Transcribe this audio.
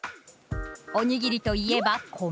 おにぎりといえば米。